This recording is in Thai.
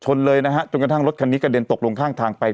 เลยนะฮะจนกระทั่งรถคันนี้กระเด็นตกลงข้างทางไป